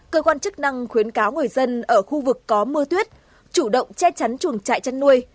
cơ quan chức năng khuyến cáo người dân ở khu vực có mưa tuyết chủ động che chắn chuồng trại chăn nuôi